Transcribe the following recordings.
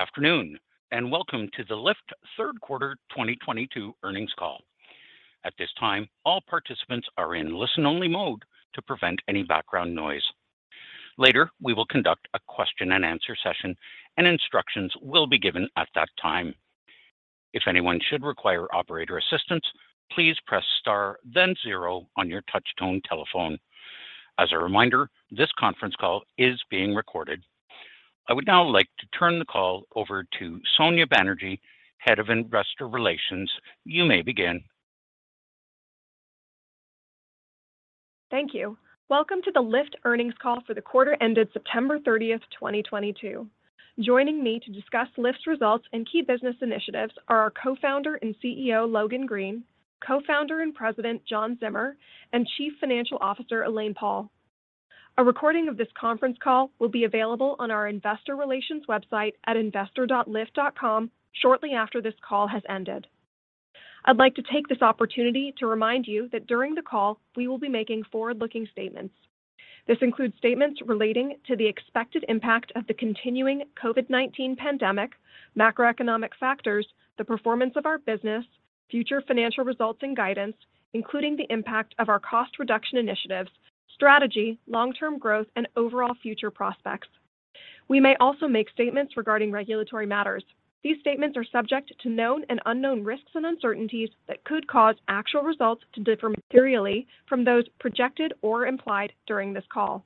Good afternoon, and welcome to the Lyft third quarter 2022 earnings call. At this time, all participants are in listen-only mode to prevent any background noise. Later, we will conduct a question and answer session, and instructions will be given at that time. If anyone should require operator assistance, please press star then zero on your touch tone telephone. As a reminder, this conference call is being recorded. I would now like to turn the call over to Sonya Banerjee, Head of Investor Relations. You may begin. Thank you. Welcome to the Lyft earnings call for the quarter ended September 30th, 2022. Joining me to discuss Lyft's results and key business initiatives are our Co-founder and CEO, Logan Green, Co-founder and President, John Zimmer, and Chief Financial Officer, Elaine Paul. A recording of this conference call will be available on our investor relations website at investor.lyft.com shortly after this call has ended. I'd like to take this opportunity to remind you that during the call, we will be making forward-looking statements. This includes statements relating to the expected impact of the continuing COVID-19 pandemic, macroeconomic factors, the performance of our business, future financial results and guidance, including the impact of our cost reduction initiatives, strategy, long-term growth, and overall future prospects. We may also make statements regarding regulatory matters. These statements are subject to known and unknown risks, uncertainties that could cause actual results to differ materially from those projected or implied during this call.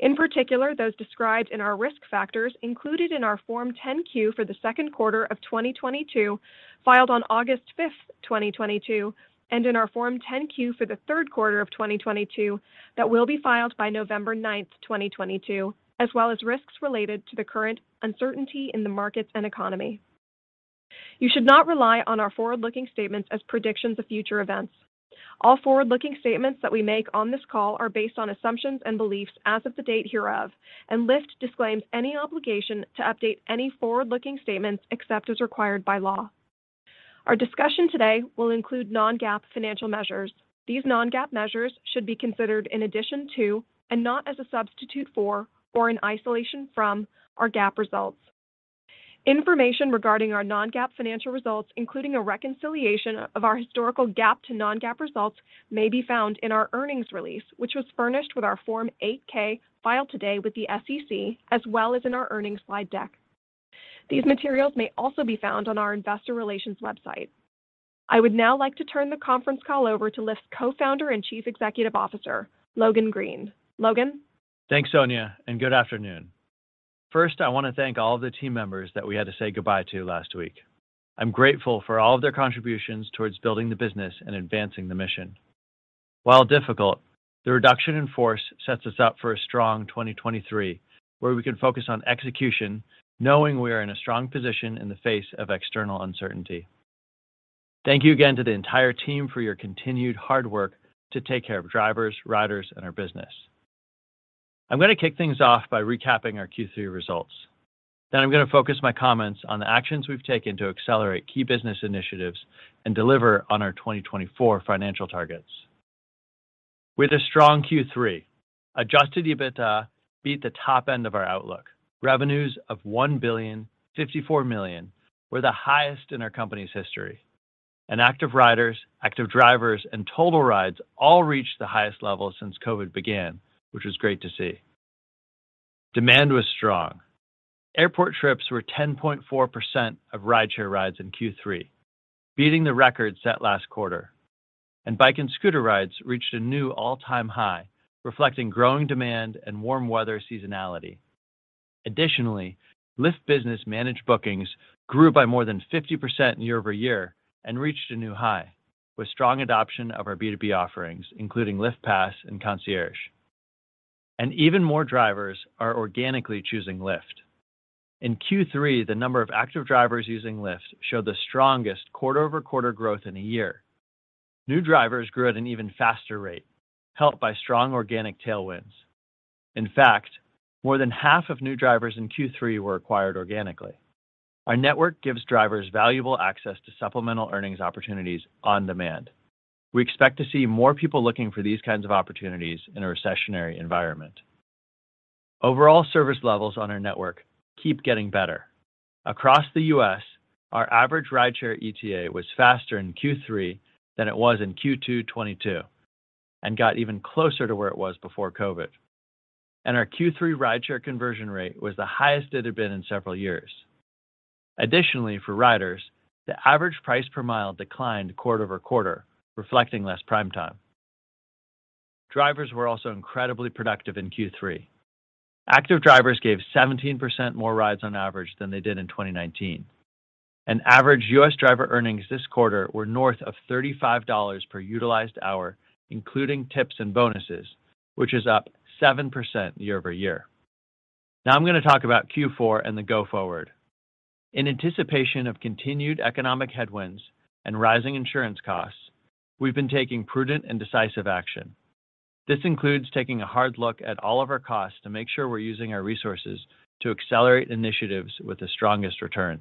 In particular, those described in our risk factors included in our Form 10-Q for the second quarter of 2022, filed on August 5th, 2022, in our Form 10-Q for the third quarter of 2022, that will be filed by November 9th, 2022, as well as risks related to the current uncertainty in the markets and economy. You should not rely on our forward-looking statements as predictions of future events. All forward-looking statements that we make on this call are based on assumptions and beliefs as of the date hereof, Lyft disclaims any obligation to update any forward-looking statements except as required by law. Our discussion today will include non-GAAP financial measures. These non-GAAP measures should be considered in addition to, not as a substitute for, or an isolation from, our GAAP results. Information regarding our non-GAAP financial results, including a reconciliation of our historical GAAP to non-GAAP results, may be found in our earnings release, which was furnished with our Form 8-K filed today with the SEC, as well as in our earnings slide deck. These materials may also be found on our investor relations website. I would now like to turn the conference call over to Lyft's Co-founder and Chief Executive Officer, Logan Green. Logan? Thanks, Sonya, and good afternoon. First, I want to thank all of the team members that we had to say goodbye to last week. I'm grateful for all of their contributions towards building the business and advancing the mission. While difficult, the reduction in force sets us up for a strong 2023, where we can focus on execution, knowing we are in a strong position in the face of external uncertainty. Thank you again to the entire team for your continued hard work to take care of drivers, riders, and our business. I'm going to kick things off by recapping our Q3 results. I'm going to focus my comments on the actions we've taken to accelerate key business initiatives and deliver on our 2024 financial targets. With a strong Q3, Adjusted EBITDA beat the top end of our outlook. Revenues of $1.054 billion were the highest in our company's history. Active riders, active drivers, and total rides all reached the highest level since COVID began, which was great to see. Demand was strong. Airport trips were 10.4% of rideshare rides in Q3, beating the record set last quarter. Bike and scooter rides reached a new all-time high, reflecting growing demand and warm weather seasonality. Additionally, Lyft Business managed bookings grew by more than 50% year-over-year and reached a new high with strong adoption of our B2B offerings, including Lyft Pass and Concierge. Even more drivers are organically choosing Lyft. In Q3, the number of active drivers using Lyft showed the strongest quarter-over-quarter growth in a year. New drivers grew at an even faster rate, helped by strong organic tailwinds. In fact, more than half of new drivers in Q3 were acquired organically. Our network gives drivers valuable access to supplemental earnings opportunities on demand. We expect to see more people looking for these kinds of opportunities in a recessionary environment. Overall service levels on our network keep getting better. Across the U.S., our average rideshare ETA was faster in Q3 than it was in Q2 2022, and got even closer to where it was before COVID. Our Q3 rideshare conversion rate was the highest it had been in several years. Additionally, for riders, the average price per mile declined quarter-over-quarter, reflecting less Prime Time. Drivers were also incredibly productive in Q3. Active drivers gave 17% more rides on average than they did in 2019. Average U.S. driver earnings this quarter were north of $35 per utilized hour, including tips and bonuses, which is up 7% year-over-year. Now I'm going to talk about Q4 and the go forward. In anticipation of continued economic headwinds and rising insurance costs, we've been taking prudent and decisive action. This includes taking a hard look at all of our costs to make sure we're using our resources to accelerate initiatives with the strongest returns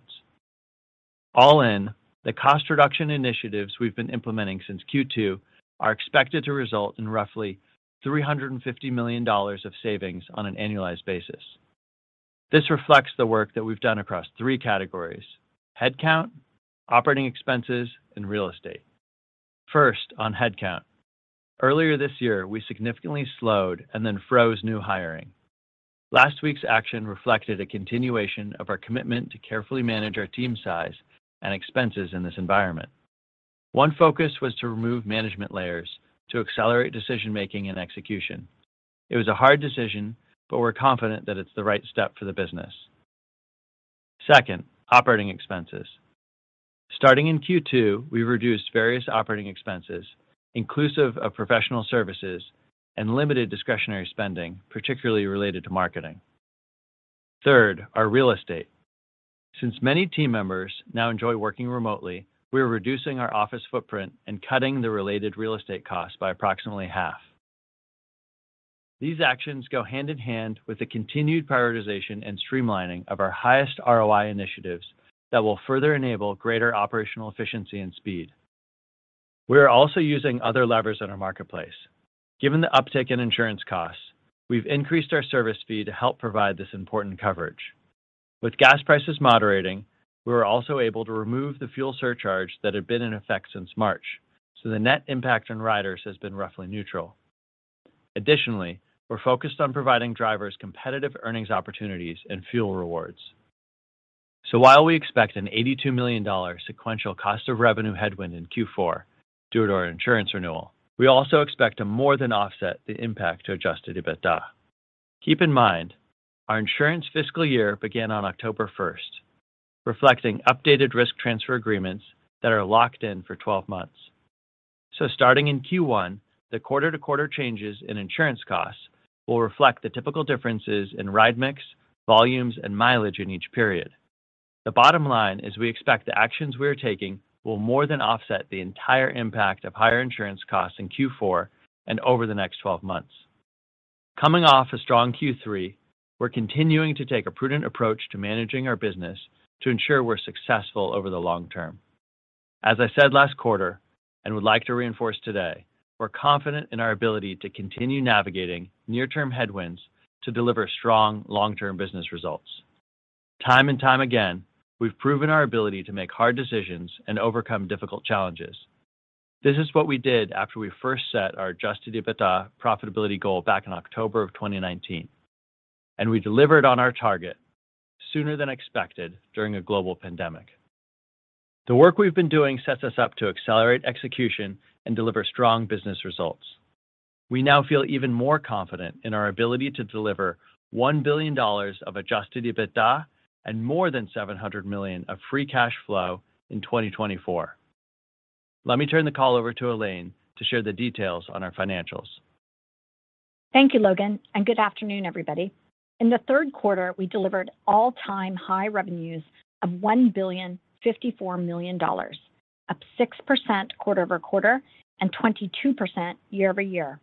All in, the cost reduction initiatives we've been implementing since Q2 are expected to result in roughly $350 million of savings on an annualized basis. This reflects the work that we've done across three categories: headcount, operating expenses, and real estate. First, on headcount. Earlier this year, we significantly slowed and then froze new hiring. Last week's action reflected a continuation of our commitment to carefully manage our team size and expenses in this environment. One focus was to remove management layers to accelerate decision-making and execution. It was a hard decision, but we're confident that it's the right step for the business. Second, operating expenses. Starting in Q2, we reduced various operating expenses, inclusive of professional services, and limited discretionary spending, particularly related to marketing. Third, our real estate. Since many team members now enjoy working remotely, we are reducing our office footprint and cutting the related real estate costs by approximately half. These actions go hand in hand with the continued prioritization and streamlining of our highest ROI initiatives that will further enable greater operational efficiency and speed. We are also using other levers in our marketplace. Given the uptick in insurance costs, we've increased our service fee to help provide this important coverage. With gas prices moderating, we were also able to remove the fuel surcharge that had been in effect since March, the net impact on riders has been roughly neutral. Additionally, we're focused on providing drivers competitive earnings opportunities and fuel rewards. While we expect an $82 million sequential cost of revenue headwind in Q4 due to our insurance renewal, we also expect to more than offset the impact to Adjusted EBITDA. Keep in mind, our insurance fiscal year began on October 1st, reflecting updated risk transfer agreements that are locked in for 12 months. Starting in Q1, the quarter-to-quarter changes in insurance costs will reflect the typical differences in ride mix, volumes, and mileage in each period. The bottom line is we expect the actions we are taking will more than offset the entire impact of higher insurance costs in Q4 and over the next 12 months. Coming off a strong Q3, we're continuing to take a prudent approach to managing our business to ensure we're successful over the long term. As I said last quarter, and would like to reinforce today, we're confident in our ability to continue navigating near-term headwinds to deliver strong long-term business results. Time and time again, we've proven our ability to make hard decisions and overcome difficult challenges. This is what we did after we first set our Adjusted EBITDA profitability goal back in October of 2019, and we delivered on our target sooner than expected during a global pandemic. The work we've been doing sets us up to accelerate execution and deliver strong business results. We now feel even more confident in our ability to deliver $1 billion of Adjusted EBITDA and more than $700 million of free cash flow in 2024. Let me turn the call over to Elaine to share the details on our financials. Thank you, Logan, and good afternoon, everybody. In the third quarter, we delivered all-time high revenues of $1.054 billion, up 6% quarter-over-quarter and 22% year-over-year.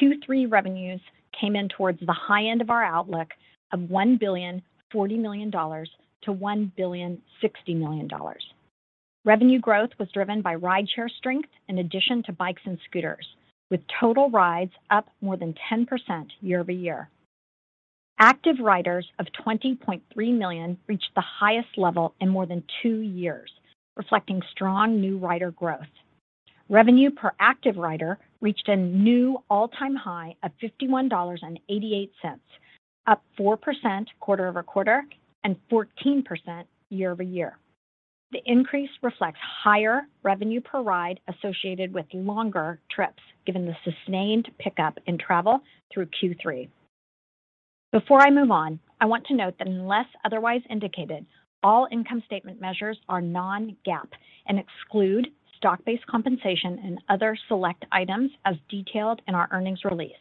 Q3 revenues came in towards the high end of our outlook of $1.040 billion-$1.060 billion. Revenue growth was driven by rideshare strength in addition to bikes and scooters, with total rides up more than 10% year-over-year. Active riders of 20.3 million reached the highest level in more than two years, reflecting strong new rider growth. Revenue per active rider reached a new all-time high of $51.88, up 4% quarter-over-quarter and 14% year-over-year. The increase reflects higher revenue per ride associated with longer trips, given the sustained pickup in travel through Q3. Before I move on, I want to note that unless otherwise indicated, all income statement measures are non-GAAP and exclude stock-based compensation and other select items as detailed in our earnings release.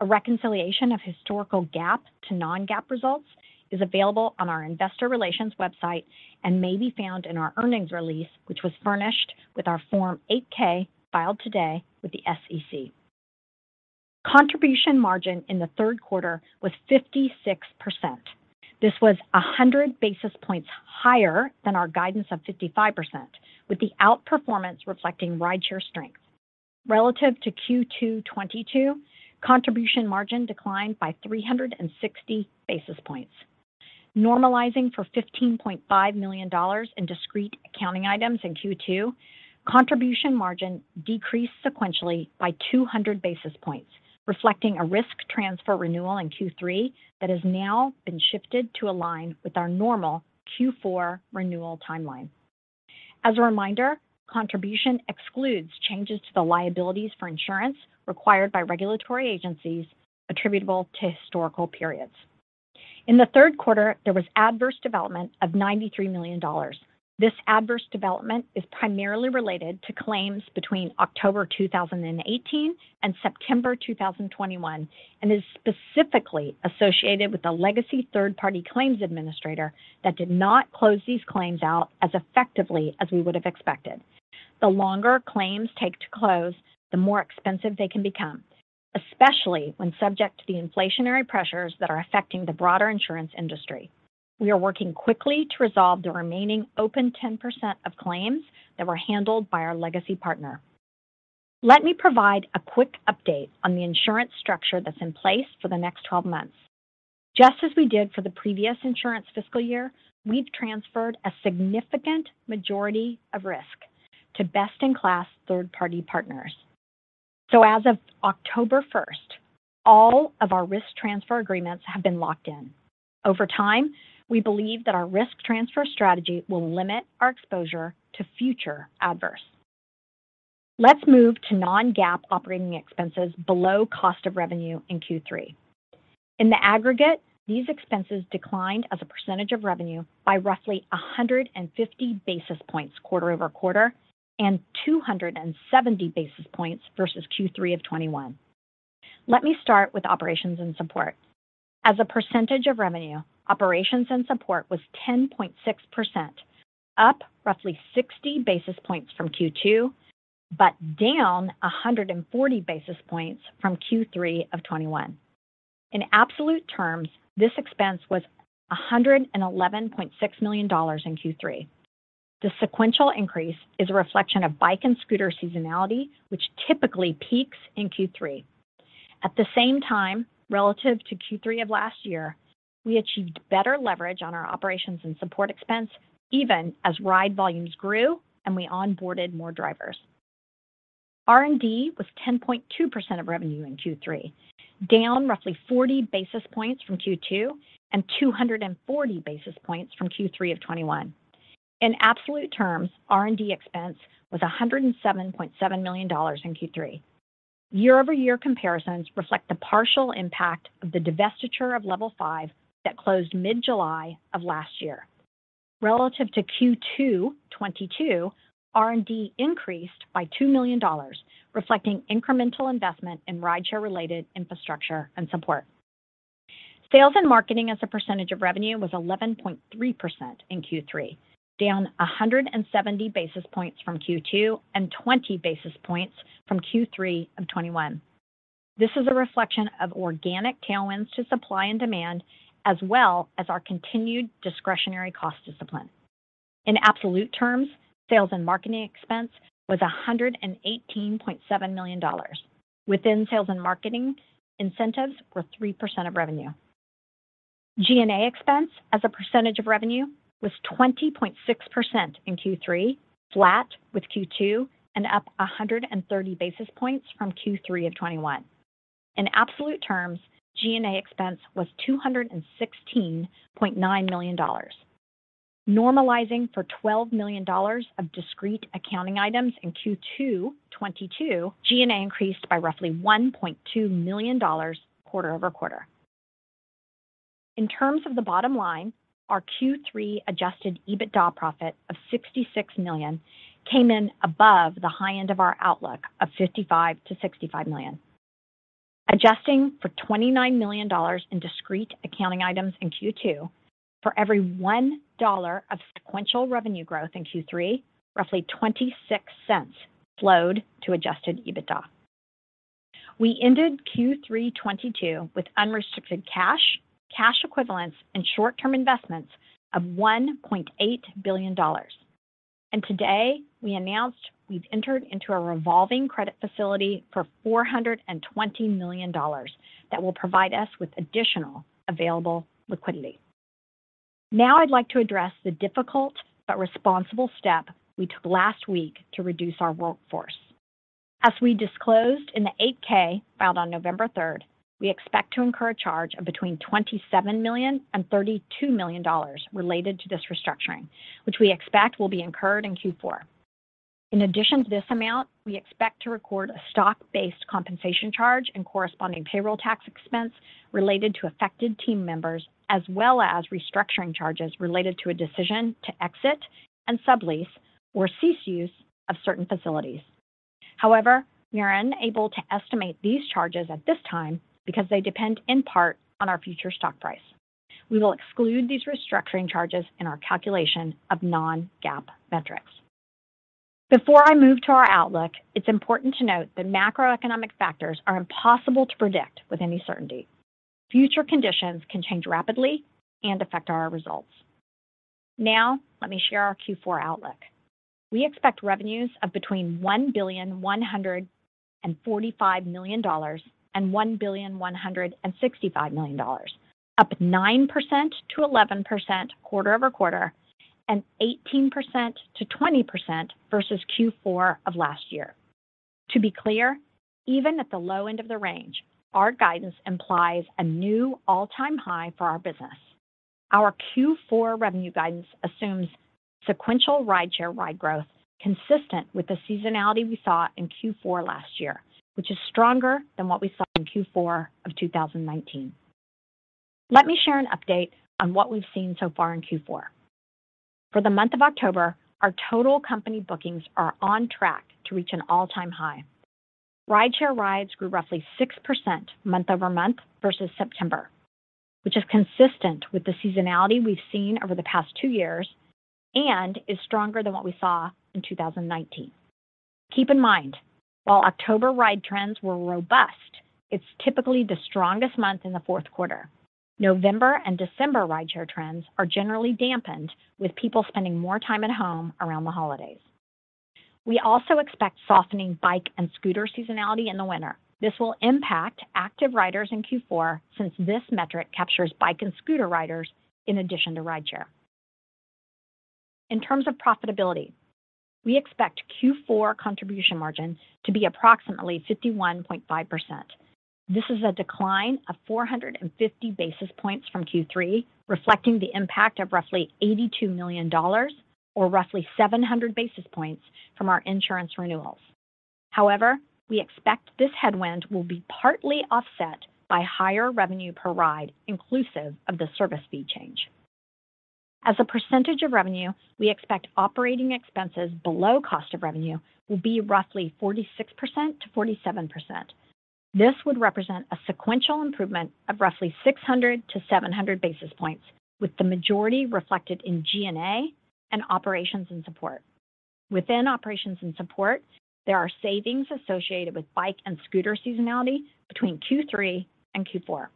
A reconciliation of historical GAAP to non-GAAP results is available on our investor relations website and may be found in our earnings release, which was furnished with our Form 8-K filed today with the SEC. Contribution margin in the third quarter was 56%. This was 100 basis points higher than our guidance of 55%, with the outperformance reflecting rideshare strength. Relative to Q2 2022, contribution margin declined by 360 basis points. Normalizing for $15.5 million in discrete accounting items in Q2, contribution margin decreased sequentially by 200 basis points, reflecting a risk transfer renewal in Q3 that has now been shifted to align with our normal Q4 renewal timeline. As a reminder, contribution excludes changes to the liabilities for insurance required by regulatory agencies attributable to historical periods. In the third quarter, there was adverse development of $93 million. This adverse development is primarily related to claims between October 2018 and September 2021 and is specifically associated with the legacy third-party claims administrator that did not close these claims out as effectively as we would have expected. The longer claims take to close, the more expensive they can become. Especially when subject to the inflationary pressures that are affecting the broader insurance industry. We are working quickly to resolve the remaining open 10% of claims that were handled by our legacy partner. Let me provide a quick update on the insurance structure that's in place for the next 12 months. Just as we did for the previous insurance fiscal year, we've transferred a significant majority of risk to best-in-class third-party partners. As of October 1st, all of our risk transfer agreements have been locked in. Over time, we believe that our risk transfer strategy will limit our exposure to future adverse. Let's move to non-GAAP operating expenses below cost of revenue in Q3. In the aggregate, these expenses declined as a percentage of revenue by roughly 150 basis points quarter-over-quarter and 270 basis points versus Q3 2021. Let me start with operations and support. As a percentage of revenue, operations and support was 10.6% up roughly 60 basis points from Q2, but down 140 basis points from Q3 2021. In absolute terms, this expense was $111.6 million in Q3. The sequential increase is a reflection of bike and scooter seasonality, which typically peaks in Q3. At the same time, relative to Q3 of last year, we achieved better leverage on our operations and support expense even as ride volumes grew, and we onboarded more drivers. R&D was 10.2% of revenue in Q3, down roughly 40 basis points from Q2 and 240 basis points from Q3 of 2021. In absolute terms, R&D expense was $107.7 million in Q3. Year-over-year comparisons reflect the partial impact of the divestiture of Level 5 that closed mid-July of last year. Relative to Q2 2022, R&D increased by $2 million, reflecting incremental investment in rideshare-related infrastructure and support. Sales and marketing as a percentage of revenue was 11.3% in Q3, down 170 basis points from Q2 and 20 basis points from Q3 of 2021. This is a reflection of organic tailwinds to supply and demand as well as our continued discretionary cost discipline. In absolute terms, sales and marketing expense was $118.7 million. Within sales and marketing, incentives were 3% of revenue. G&A expense as a percentage of revenue was 20.6% in Q3, flat with Q2 and up 130 basis points from Q3 of 2021. In absolute terms, G&A expense was $216.9 million. Normalizing for $12 million of discrete accounting items in Q2 2022, G&A increased by roughly $1.2 million quarter over quarter. In terms of the bottom line, our Q3 Adjusted EBITDA profit of $66 million came in above the high end of our outlook of $55 million-$65 million. Adjusting for $29 million in discrete accounting items in Q2, for every $1 of sequential revenue growth in Q3, roughly $0.26 flowed to Adjusted EBITDA. We ended Q3 2022 with unrestricted cash equivalents, and short-term investments of $1.8 billion. Today, we announced we've entered into a revolving credit facility for $420 million that will provide us with additional available liquidity. I'd like to address the difficult but responsible step we took last week to reduce our workforce. As we disclosed in the 8-K filed on November 3rd, we expect to incur a charge of between $27 million-$32 million related to this restructuring, which we expect will be incurred in Q4. In addition to this amount, we expect to record a stock-based compensation charge and corresponding payroll tax expense related to affected team members, as well as restructuring charges related to a decision to exit and sublease or cease use of certain facilities. However, we are unable to estimate these charges at this time because they depend in part on our future stock price. We will exclude these restructuring charges in our calculation of non-GAAP metrics. Before I move to our outlook, it's important to note that macroeconomic factors are impossible to predict with any certainty. Future conditions can change rapidly and affect our results. Let me share our Q4 outlook. We expect revenues of between $1,145,000,000-$1,165,000,000, up 9%-11% quarter over quarter and 18%-20% versus Q4 of last year. To be clear, even at the low end of the range, our guidance implies a new all-time high for our business. Our Q4 revenue guidance assumes sequential rideshare ride growth consistent with the seasonality we saw in Q4 last year, which is stronger than what we saw in Q4 of 2019. Let me share an update on what we've seen so far in Q4. For the month of October, our total company bookings are on track to reach an all-time high. Rideshare rides grew roughly 6% month-over-month versus September. Which is consistent with the seasonality we've seen over the past two years and is stronger than what we saw in 2019. Keep in mind, while October ride trends were robust, it's typically the strongest month in the fourth quarter. November and December rideshare trends are generally dampened, with people spending more time at home around the holidays. We also expect softening bike and scooter seasonality in the winter. This will impact active riders in Q4 since this metric captures bike and scooter riders in addition to rideshare. In terms of profitability, we expect Q4 contribution margins to be approximately 51.5%. This is a decline of 450 basis points from Q3, reflecting the impact of roughly $82 million, or roughly 700 basis points from our insurance renewals. We expect this headwind will be partly offset by higher revenue per ride, inclusive of the service fee change. As a percentage of revenue, we expect operating expenses below cost of revenue will be roughly 46%-47%. This would represent a sequential improvement of roughly 600-700 basis points, with the majority reflected in G&A and operations and support. Within operations and support, there are savings associated with bike and scooter seasonality between Q3 and Q4.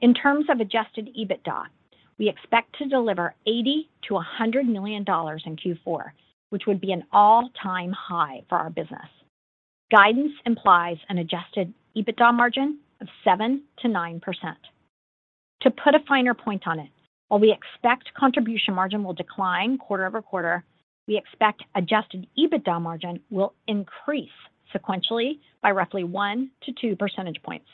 In terms of Adjusted EBITDA, we expect to deliver $80 million-$100 million in Q4, which would be an all-time high for our business. Guidance implies an Adjusted EBITDA margin of 7%-9%. To put a finer point on it, while we expect contribution margin will decline quarter-over-quarter, we expect Adjusted EBITDA margin will increase sequentially by roughly 1-2 percentage points.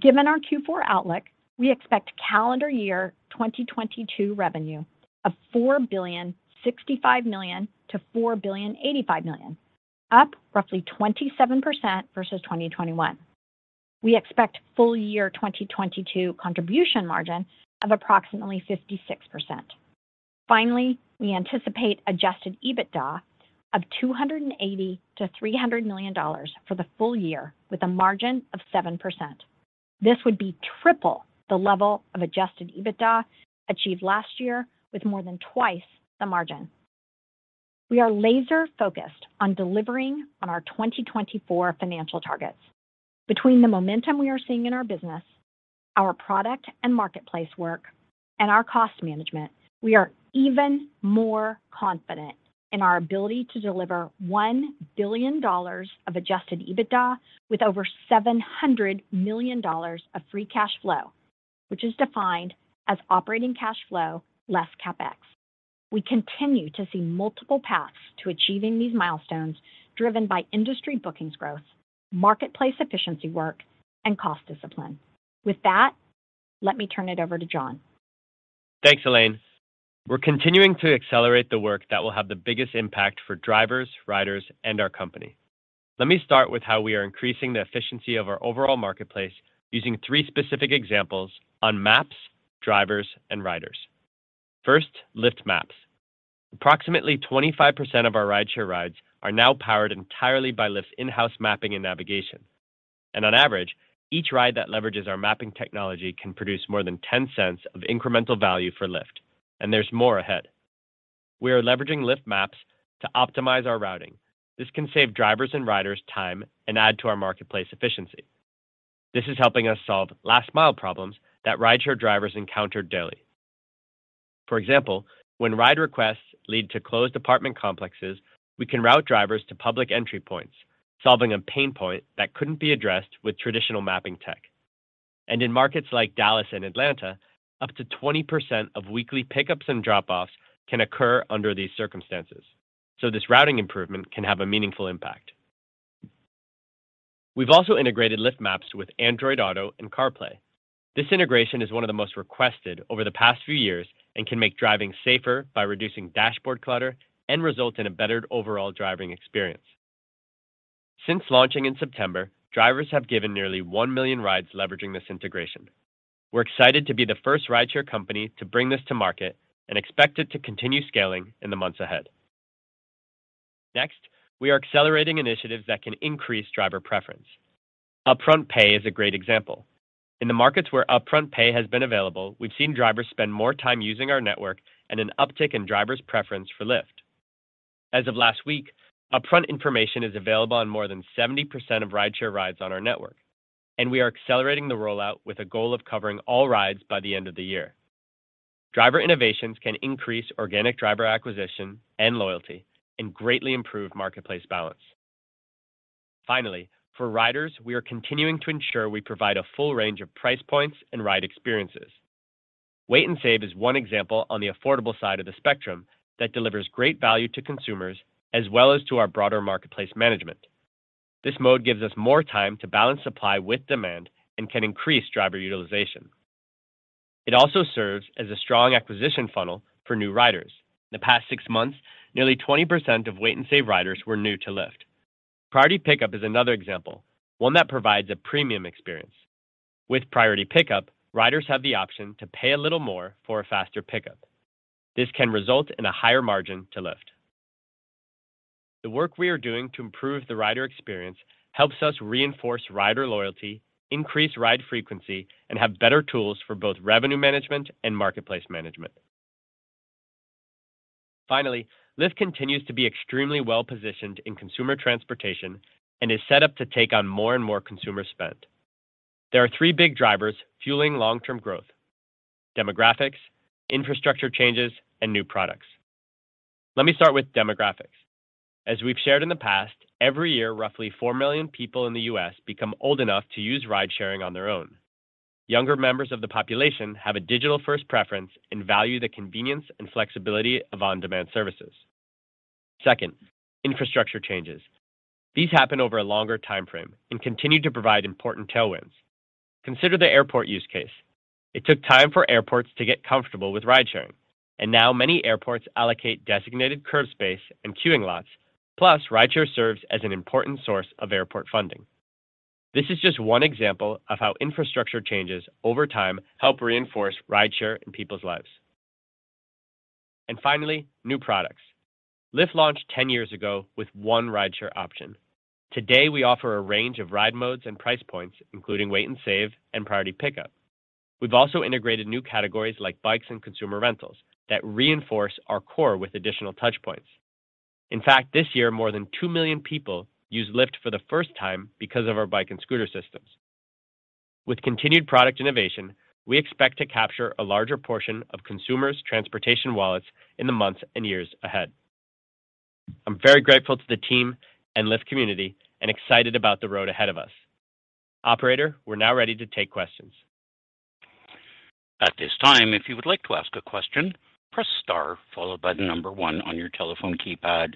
Given our Q4 outlook, we expect calendar year 2022 revenue of $4.065 billion-$4.085 billion, up roughly 27% versus 2021. We expect full year 2022 contribution margin of approximately 56%. We anticipate Adjusted EBITDA of $280 million-$300 million for the full year with a margin of 7%. This would be triple the level of Adjusted EBITDA achieved last year with more than twice the margin. We are laser focused on delivering on our 2024 financial targets. Between the momentum we are seeing in our business, our product and marketplace work, and our cost management, we are even more confident in our ability to deliver $1 billion of Adjusted EBITDA with over $700 million of free cash flow, which is defined as operating cash flow less CapEx. We continue to see multiple paths to achieving these milestones driven by industry bookings growth, marketplace efficiency work, and cost discipline. With that, let me turn it over to John. Thanks, Elaine. We're continuing to accelerate the work that will have the biggest impact for drivers, riders, and our company. Let me start with how we are increasing the efficiency of our overall marketplace using 3 specific examples on maps, drivers, and riders. First, Lyft Maps. Approximately 25% of our rideshare rides are now powered entirely by Lyft's in-house mapping and navigation. On average, each ride that leverages our mapping technology can produce more than $0.10 of incremental value for Lyft. There's more ahead. We are leveraging Lyft Maps to optimize our routing. This can save drivers and riders time and add to our marketplace efficiency. This is helping us solve last mile problems that rideshare drivers encounter daily. For example, when ride requests lead to closed apartment complexes, we can route drivers to public entry points, solving a pain point that couldn't be addressed with traditional mapping tech. In markets like Dallas and Atlanta, up to 20% of weekly pickups and drop-offs can occur under these circumstances, so this routing improvement can have a meaningful impact. We've also integrated Lyft Maps with Android Auto and CarPlay. This integration is one of the most requested over the past few years and can make driving safer by reducing dashboard clutter and result in a better overall driving experience. Since launching in September, drivers have given nearly 1 million rides leveraging this integration. We're excited to be the first rideshare company to bring this to market and expect it to continue scaling in the months ahead. Next, we are accelerating initiatives that can increase driver preference. Upfront Pay is a great example. In the markets where upfront pay has been available, we've seen drivers spend more time using our network and an uptick in drivers' preference for Lyft. As of last week, upfront information is available on more than 70% of rideshare rides on our network, and we are accelerating the rollout with a goal of covering all rides by the end of the year. Driver innovations can increase organic driver acquisition and loyalty and greatly improve marketplace balance. Finally, for riders, we are continuing to ensure we provide a full range of price points and ride experiences. Wait & Save is one example on the affordable side of the spectrum that delivers great value to consumers as well as to our broader marketplace management. This mode gives us more time to balance supply with demand and can increase driver utilization. It also serves as a strong acquisition funnel for new riders. In the past 6 months, nearly 20% of Wait & Save riders were new to Lyft. Priority Pickup is another example, one that provides a premium experience. With Priority Pickup, riders have the option to pay a little more for a faster pickup. This can result in a higher margin to Lyft. The work we are doing to improve the rider experience helps us reinforce rider loyalty, increase ride frequency, and have better tools for both revenue management and marketplace management. Finally, Lyft continues to be extremely well-positioned in consumer transportation and is set up to take on more and more consumer spend. There are 3 big drivers fueling long-term growth: demographics, infrastructure changes, and new products. Let me start with demographics. As we've shared in the past, every year, roughly 4 million people in the U.S. become old enough to use ridesharing on their own. Younger members of the population have a digital-first preference and value the convenience and flexibility of on-demand services. Second, infrastructure changes. These happen over a longer timeframe and continue to provide important tailwinds. Consider the airport use case. It took time for airports to get comfortable with ridesharing, and now many airports allocate designated curb space and queuing lots, plus rideshare serves as an important source of airport funding. This is just one example of how infrastructure changes over time help reinforce rideshare in people's lives. Finally, new products. Lyft launched 10 years ago with one rideshare option. Today, we offer a range of ride modes and price points, including Wait & Save and Priority Pickup. We've also integrated new categories like bikes and consumer rentals that reinforce our core with additional touchpoints. In fact, this year more than 2 million people used Lyft for the first time because of our bike and scooter systems. With continued product innovation, we expect to capture a larger portion of consumers' transportation wallets in the months and years ahead. I'm very grateful to the team and Lyft community and excited about the road ahead of us. Operator, we're now ready to take questions. At this time, if you would like to ask a question, press star followed by the number 1 on your telephone keypad.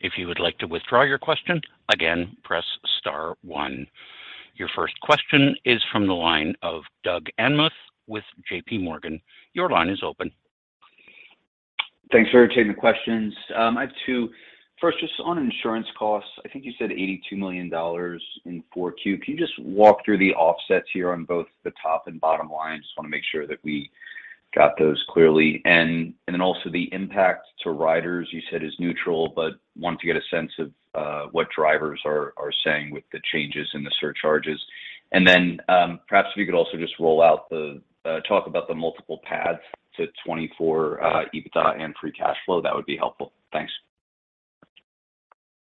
If you would like to withdraw your question, again, press star 1. Your first question is from the line of Doug Anmuth with J.P. Morgan. Your line is open. Thanks for taking the questions. I have two. First, just on insurance costs, I think you said $82 million in four Q. Can you just walk through the offsets here on both the top and bottom line? Just want to make sure that we got those clearly. Then also the impact to riders you said is neutral, but wanted to get a sense of what drivers are saying with the changes in the surcharges. Then perhaps if you could also just roll out the talk about the multiple paths to 2024 EBITDA and free cash flow, that would be helpful. Thanks.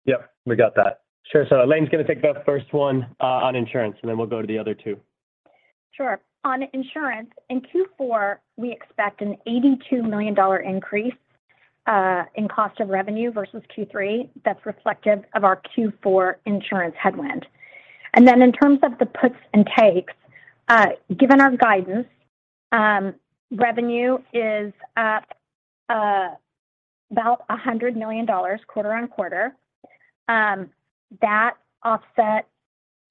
Yep. We got that. Sure. Elaine's going to take the first one on insurance, and then we'll go to the other two. Sure. On insurance, in Q4, we expect an $82 million increase in cost of revenue versus Q3. That's reflective of our Q4 insurance headwind. In terms of the puts and takes, given our guidance, revenue is up about $100 million quarter-over-quarter.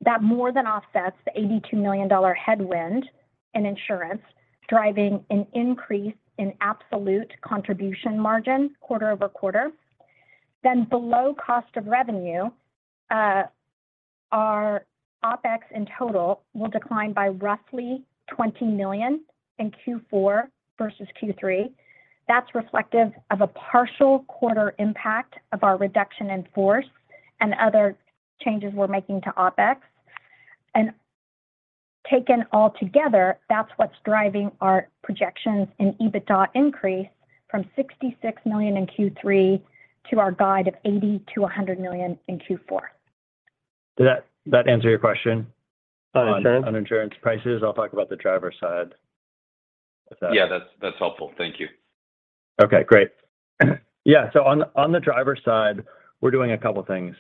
That more than offsets the $82 million headwind in insurance, driving an increase in absolute contribution margin quarter-over-quarter. Below cost of revenue, our OpEx in total will decline by roughly $20 million in Q4 versus Q3. That's reflective of a partial quarter impact of our reduction in force and other changes we're making to OpEx. Taken all together, that's what's driving our projections in EBITDA increase from $66 million in Q3 to our guide of $80 million-$100 million in Q4. Did that answer your question? On insurance? on insurance prices? I'll talk about the driver side if that Yeah, that's helpful. Thank you. Okay, great. Yeah, on the driver side, we're doing a couple things.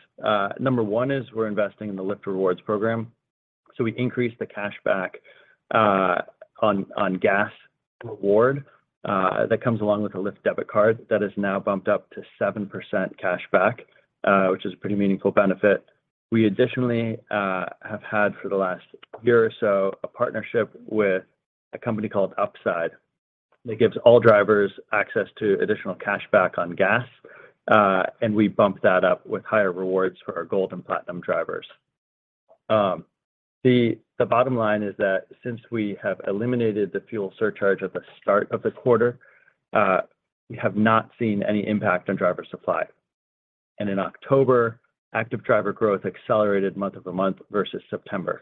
Number one is we're investing in the Lyft Rewards program. We increased the cashback on gas reward that comes along with a Lyft debit card that is now bumped up to 7% cashback, which is a pretty meaningful benefit. We additionally have had for the last year or so a partnership with a company called Upside, that gives all drivers access to additional cashback on gas. We bumped that up with higher rewards for our gold and platinum drivers. The bottom line is that since we have eliminated the fuel surcharge at the start of the quarter, we have not seen any impact on driver supply. In October, active driver growth accelerated month-over-month versus September.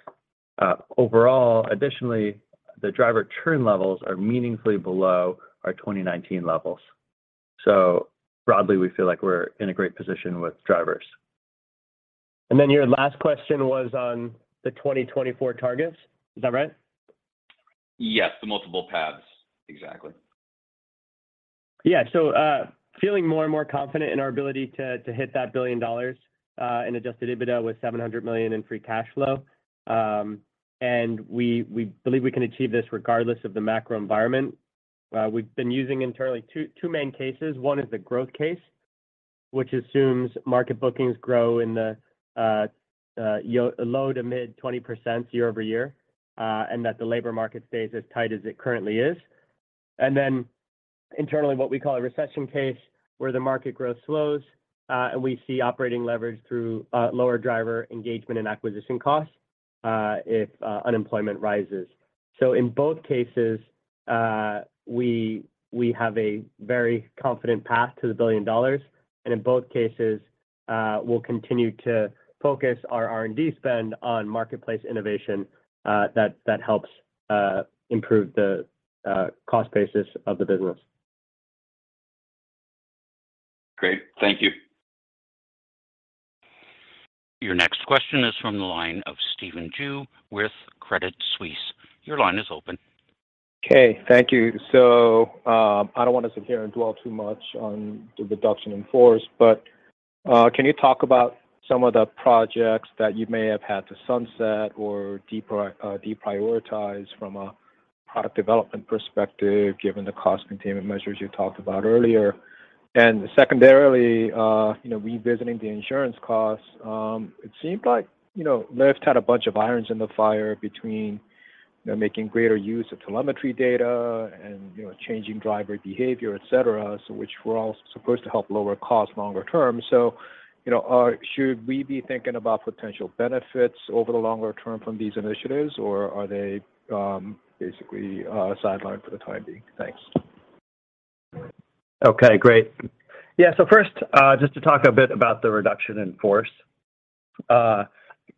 Overall, additionally, the driver churn levels are meaningfully below our 2019 levels. Broadly, we feel like we're in a great position with drivers. Your last question was on the 2024 targets. Is that right? Yes. The multiple paths. Exactly. Yeah. Feeling more and more confident in our ability to hit that $1 billion in Adjusted EBITDA with $700 million in free cash flow. We believe we can achieve this regardless of the macro environment. We've been using internally 2 main cases. 1 is the growth case, which assumes market bookings grow in the low to mid 20% year-over-year, and that the labor market stays as tight as it currently is. Internally, what we call a recession case, where the market growth slows, and we see operating leverage through lower driver engagement and acquisition costs if unemployment rises. In both cases, we have a very confident path to the $1 billion, and in both cases, we'll continue to focus our R&D spend on marketplace innovation that helps improve the cost basis of the business. Great. Thank you. Your next question is from the line of Stephen Ju with Credit Suisse. Your line is open. Okay. Thank you. I don't want us to hear and dwell too much on the reduction in force, but can you talk about some of the projects that you may have had to sunset or deprioritize from a product development perspective, given the cost containment measures you talked about earlier? And secondarily, revisiting the insurance costs, it seemed like Lyft had a bunch of irons in the fire between making greater use of telemetry data and changing driver behavior, et cetera, so which were all supposed to help lower costs longer term. Should we be thinking about potential benefits over the longer term from these initiatives, or are they basically sidelined for the time being? Thanks. Okay, great. Yeah. First, just to talk a bit about the reduction in force.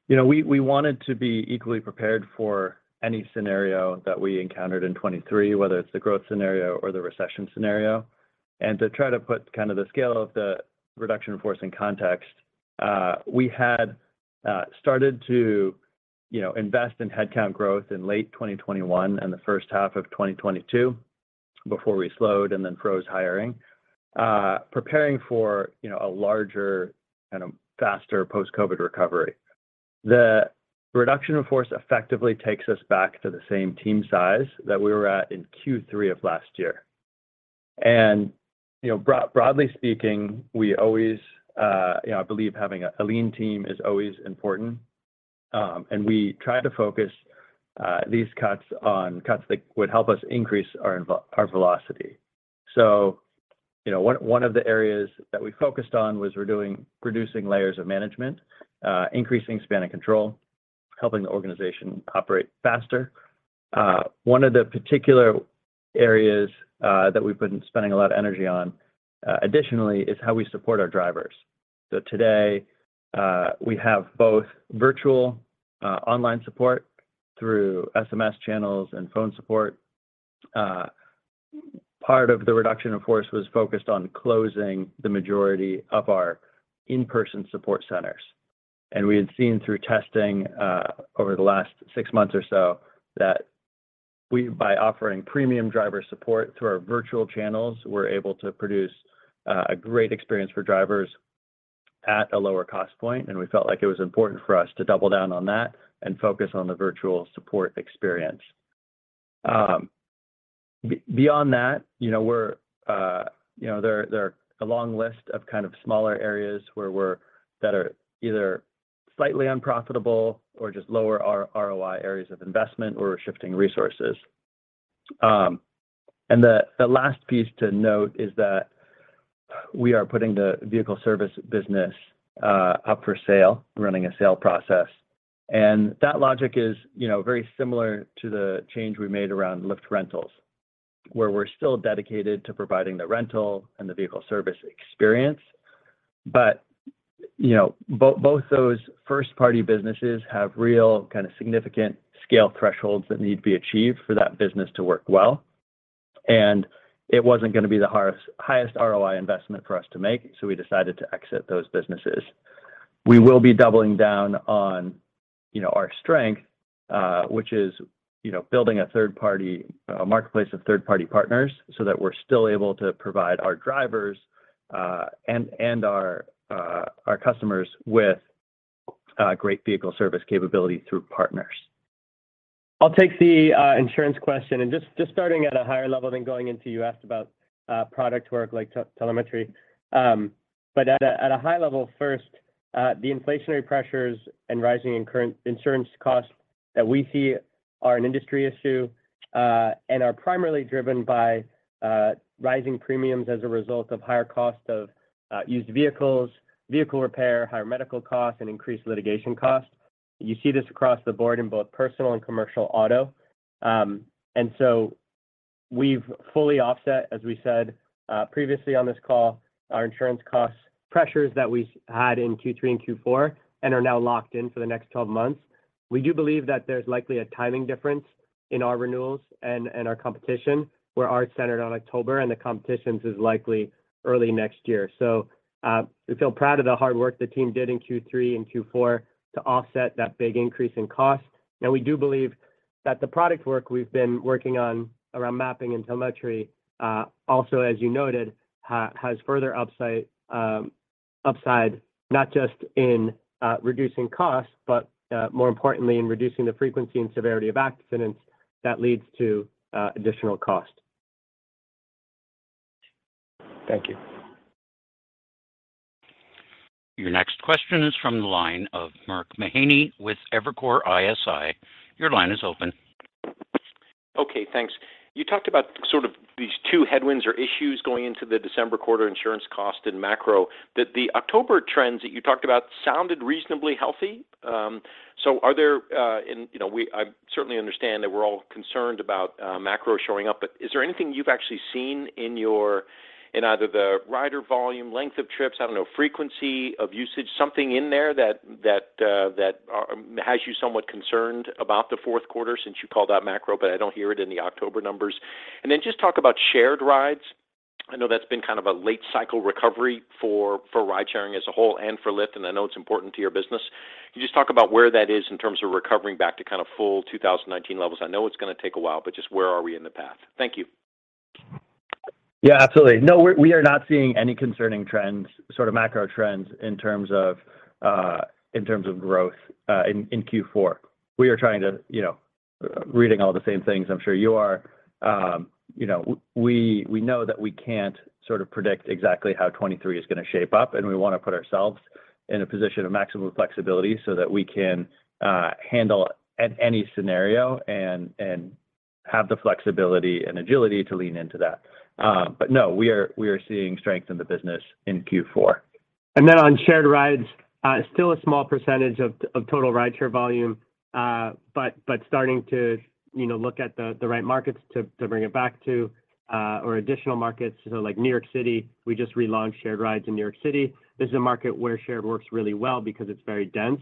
We wanted to be equally prepared for any scenario that we encountered in 2023, whether it's the growth scenario or the recession scenario. To try to put kind of the scale of the reduction in force in context, we had started to invest in headcount growth in late 2021 and the first half of 2022, before we slowed and then froze hiring, preparing for a larger and a faster post-COVID recovery. The reduction in force effectively takes us back to the same team size that we were at in Q3 of last year. Broadly speaking, I believe having a lean team is always important. We try to focus these cuts on cuts that would help us increase our velocity. One of the areas that we focused on was reducing layers of management, increasing span of control, helping the organization operate faster. One of the particular areas that we've been spending a lot of energy on additionally is how we support our drivers. Today, we have both virtual online support through SMS channels and phone support. Part of the reduction, of course, was focused on closing the majority of our in-person support centers. We had seen through testing over the last six months or so that by offering premium driver support through our virtual channels, we're able to produce a great experience for drivers at a lower cost point, and we felt like it was important for us to double down on that and focus on the virtual support experience. Beyond that, there are a long list of kind of smaller areas that are either slightly unprofitable or just lower ROI areas of investment where we're shifting resources. The last piece to note is that we are putting the vehicle service business up for sale. We're running a sale process. That logic is very similar to the change we made around Lyft Rentals, where we're still dedicated to providing the rental and the vehicle service experience. Both those first-party businesses have real kind of significant scale thresholds that need to be achieved for that business to work well. It wasn't going to be the highest ROI investment for us to make, so we decided to exit those businesses. We will be doubling down on our strength, which is building a marketplace of third-party partners so that we're still able to provide our drivers and our customers with great vehicle service capability through partners. I'll take the insurance question. Just starting at a higher level than going into, you asked about product work like telemetry. At a high level first, the inflationary pressures and rising insurance costs that we see are an industry issue, and are primarily driven by rising premiums as a result of higher cost of used vehicles, vehicle repair, higher medical costs, and increased litigation costs. You see this across the board in both personal and commercial auto. We've fully offset, as we said previously on this call, our insurance cost pressures that we had in Q3 and Q4 and are now locked in for the next 12 months. We do believe that there's likely a timing difference in our renewals and our competition, where ours centered on October and the competition's is likely early next year. We feel proud of the hard work the team did in Q3 and Q4 to offset that big increase in cost. Now we do believe that the product work we've been working on around mapping and telemetry, also, as you noted, has further upside, not just in reducing costs, but more importantly, in reducing the frequency and severity of accidents that leads to additional cost. Thank you. Your next question is from the line of Mark Mahaney with Evercore ISI. Your line is open Okay, thanks. You talked about these two headwinds or issues going into the December quarter insurance cost and macro, that the October trends that you talked about sounded reasonably healthy. I certainly understand that we're all concerned about macro showing up, but is there anything you've actually seen in either the rider volume, length of trips, I don't know, frequency of usage, something in there that has you somewhat concerned about the fourth quarter since you called out macro, but I don't hear it in the October numbers? Just talk about shared rides. I know that's been kind of a late cycle recovery for ride-sharing as a whole and for Lyft, and I know it's important to your business. Can you just talk about where that is in terms of recovering back to kind of full 2019 levels? I know it's going to take a while, but just where are we in the path? Thank you. Yeah, absolutely. No, we are not seeing any concerning trends, sort of macro trends in terms of growth in Q4. We are reading all the same things, I'm sure you are. We know that we can't sort of predict exactly how 2023 is going to shape up. We want to put ourselves in a position of maximum flexibility so that we can handle any scenario and have the flexibility and agility to lean into that. No, we are seeing strength in the business in Q4. On shared rides, still a small percentage of total rideshare volume. Starting to look at the right markets to bring it back to, or additional markets. Like New York City, we just relaunched shared rides in New York City. This is a market where shared works really well because it's very dense.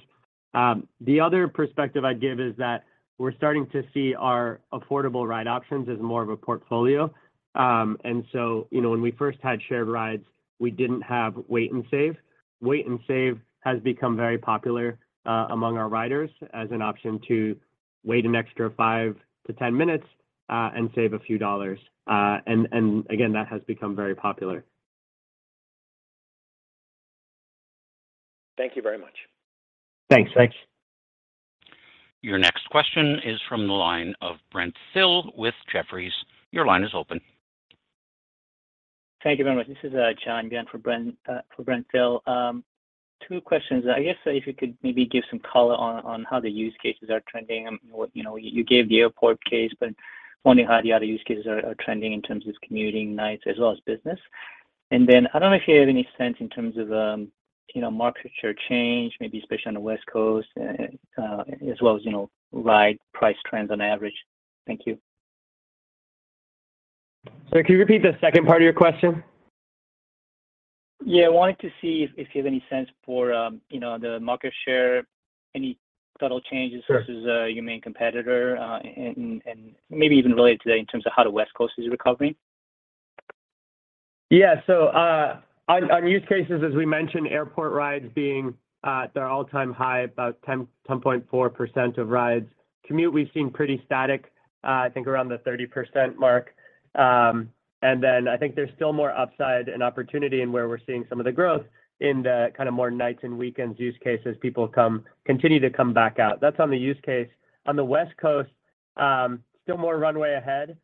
The other perspective I'd give is that we're starting to see our affordable ride options as more of a portfolio. When we first had shared rides, we didn't have Wait & Save. Wait & Save has become very popular among our riders as an option to wait an extra 5-10 minutes and save a few dollars. Again, that has become very popular. Thank you very much. Thanks. Thanks. Your next question is from the line of Brent Thill with Jefferies. Your line is open. Thank you very much. This is John Blackledge again for Brent Thill. Two questions. I guess if you could maybe give some color on how the use cases are trending. You gave the airport case, but wondering how the other use cases are trending in terms of commuting, nights, as well as business. I don't know if you have any sense in terms of market share change, maybe especially on the West Coast, as well as ride price trends on average. Thank you. Sorry, could you repeat the second part of your question? Yeah, I wanted to see if you have any sense for the market share, any subtle changes- Sure versus your main competitor, maybe even related to that in terms of how the West Coast is recovering. On use cases, as we mentioned, airport rides being at their all-time high, about 10.4% of rides. Commute, we've seen pretty static, I think around the 30% mark. I think there's still more upside and opportunity and where we're seeing some of the growth in the kind of more nights and weekends use cases, people continue to come back out. That's on the use case. On the West Coast, still more runway ahead.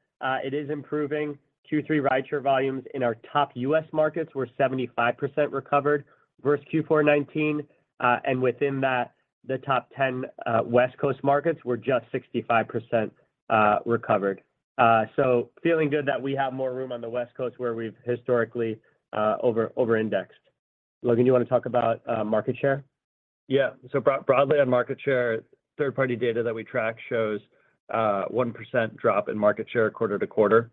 It is improving. Q3 rideshare volumes in our top U.S. markets were 75% recovered versus Q4 2019. Within that, the top 10 West Coast markets were just 65% recovered. Feeling good that we have more room on the West Coast where we've historically over-indexed. Logan, you want to talk about market share? Broadly on market share, third-party data that we track shows 1% drop in market share quarter to quarter.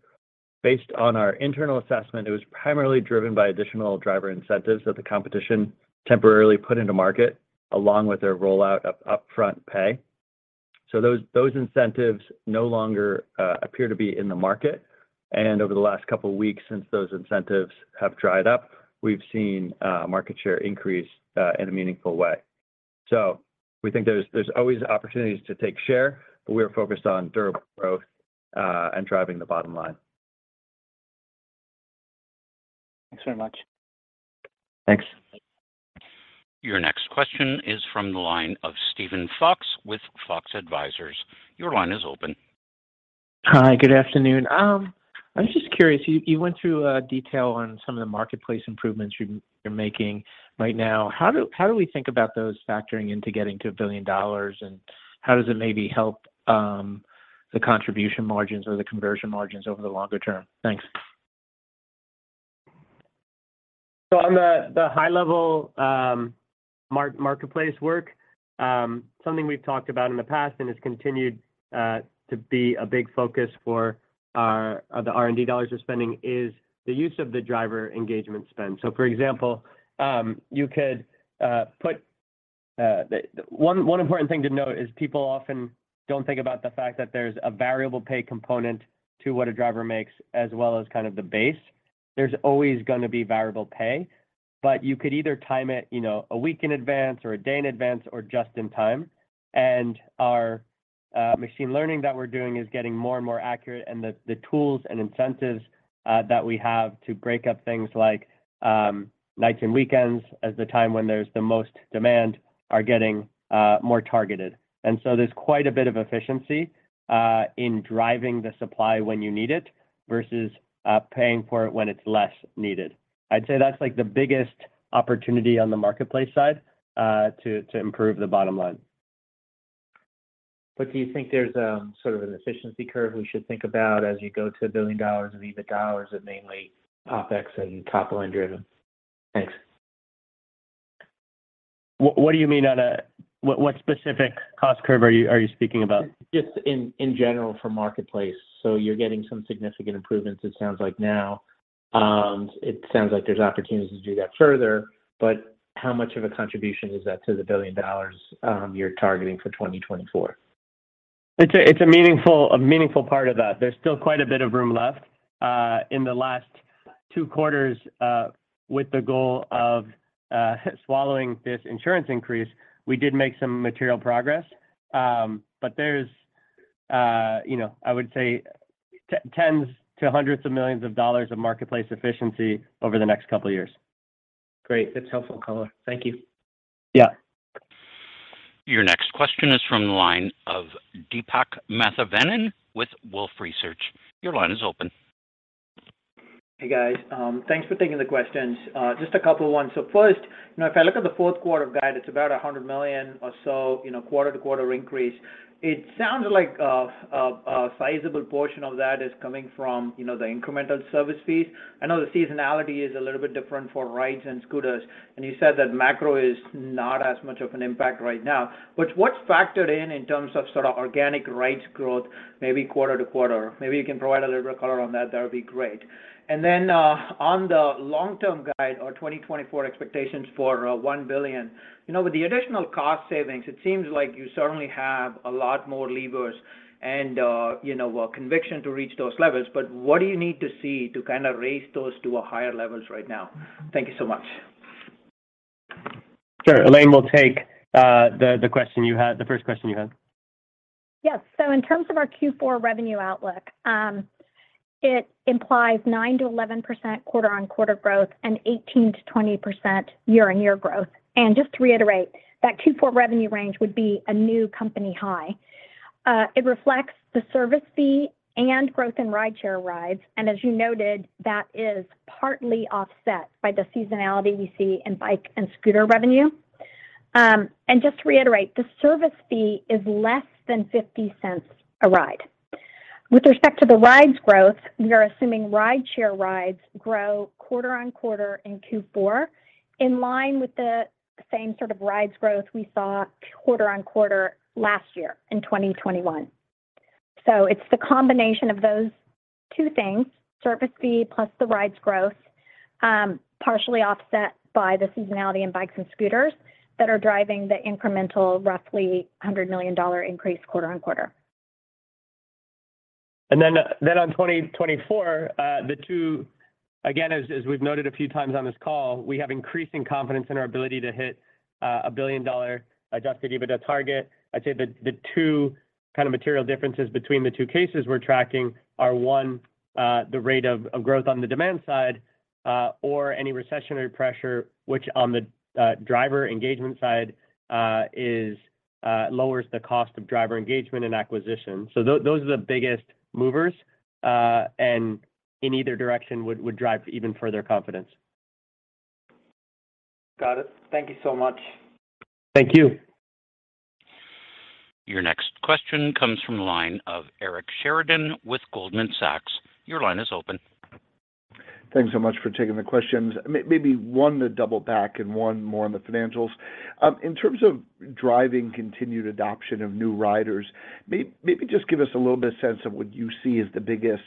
Based on our internal assessment, it was primarily driven by additional driver incentives that the competition temporarily put into market, along with their rollout of Upfront Pay. Those incentives no longer appear to be in the market. Over the last couple weeks since those incentives have dried up, we've seen market share increase in a meaningful way. We think there's always opportunities to take share, but we are focused on durable growth and driving the bottom line. Thanks very much. Thanks. Your next question is from the line of Steven Fox with Fox Advisors. Your line is open. Hi, good afternoon. I was just curious, you went through detail on some of the marketplace improvements you're making right now. How do we think about those factoring into getting to $1 billion, and how does it maybe help the contribution margins or the conversion margins over the longer term? Thanks. On the high level marketplace work, something we've talked about in the past and has continued to be a big focus for the R&D dollars we're spending is the use of the driver engagement spend. For example, one important thing to note is people often don't think about the fact that there's a variable pay component to what a driver makes, as well as kind of the base. There's always going to be variable pay, you could either time it a week in advance or a day in advance or just in time. Our machine learning that we're doing is getting more and more accurate, the tools and incentives that we have to break up things like nights and weekends as the time when there's the most demand are getting more targeted. There's quite a bit of efficiency in driving the supply when you need it versus paying for it when it's less needed. I'd say that's the biggest opportunity on the marketplace side to improve the bottom line. Do you think there's an efficiency curve we should think about as you go to $1 billion of EBIT dollars of mainly OpEx and top-line driven? Thanks. What do you mean? What specific cost curve are you speaking about? Just in general for Marketplace. You're getting some significant improvements, it sounds like now. It sounds like there's opportunities to do that further, how much of a contribution is that to the $1 billion you're targeting for 2024? It's a meaningful part of that. There's still quite a bit of room left. In the last two quarters with the goal of swallowing this insurance increase, we did make some material progress. There's, I would say, $ tens to hundreds of millions of Marketplace efficiency over the next couple of years. Great. That's helpful color. Thank you. Yeah. Your next question is from the line of Deepak Mathivanan with Wolfe Research. Your line is open. Hey, guys. Thanks for taking the questions. Just a couple ones. First, if I look at the fourth quarter guide, it's about $100 million or so, quarter-to-quarter increase. It sounds like a sizable portion of that is coming from the incremental service fees. I know the seasonality is a little bit different for rides and scooters, and you said that macro is not as much of an impact right now. What's factored in in terms of sort of organic rides growth, maybe quarter-to-quarter? Maybe you can provide a little bit of color on that. That would be great. On the long-term guide or 2024 expectations for $1 billion. With the additional cost savings, it seems like you certainly have a lot more levers and conviction to reach those levels, what do you need to see to kind of raise those to higher levels right now? Thank you so much. Sure. Elaine will take the first question you had. Yes. In terms of our Q4 revenue outlook, it implies 9%-11% quarter-on-quarter growth and 18%-20% year-on-year growth. Just to reiterate, that Q4 revenue range would be a new company high. It reflects the service fee and growth in rideshare rides. As you noted, that is partly offset by the seasonality we see in bike and scooter revenue. Just to reiterate, the service fee is less than $0.50 a ride. With respect to the rides growth, we are assuming rideshare rides grow quarter on quarter in Q4, in line with the same sort of rides growth we saw quarter on quarter last year in 2021. It's the combination of those two things, service fee plus the rides growth, partially offset by the seasonality in bikes and scooters, that are driving the incremental, roughly $100 million increase quarter on quarter. On 2024, the two, again, as we've noted a few times on this call, we have increasing confidence in our ability to hit a billion-dollar Adjusted EBITDA target. I'd say the two material differences between the two cases we're tracking are, one, the rate of growth on the demand side, or any recessionary pressure, which on the driver engagement side, lowers the cost of driver engagement and acquisition. Those are the biggest movers, and in either direction would drive even further confidence. Got it. Thank you so much. Thank you. Your next question comes from the line of Eric Sheridan with Goldman Sachs. Your line is open. Thanks so much for taking the questions. Maybe one to double back and one more on the financials. In terms of driving continued adoption of new riders, maybe just give us a little bit of sense of what you see as the biggest